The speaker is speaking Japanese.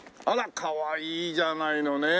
かわいいじゃないのねえ。